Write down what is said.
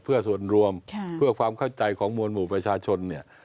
เพื่อส่วนรวมเพื่อความเข้าใจของมวลหมู่ประชาชนเนี่ย